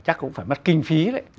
chắc cũng phải mất kinh phí đấy